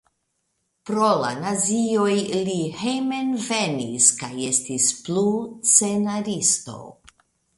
Pro la nazioj li hejmenvenis kaj estis plu scenaristo.